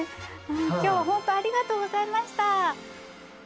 今日はホントありがとうございました。